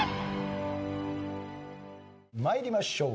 参りましょう。